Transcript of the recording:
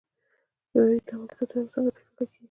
کیمیاوي تعامل څه ته وایي او څنګه ترسره کیږي